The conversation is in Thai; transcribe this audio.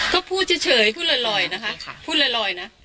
ก็พูดเฉยพูดลอยนะฮะ